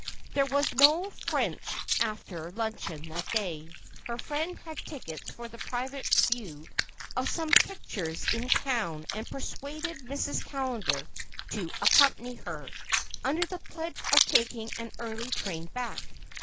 There was no French after luncheon that day. Her friend had tickets for the private view of some pictures in town and persuaded Mrs. Callender to accompany her, under the pledge of taking an early train back.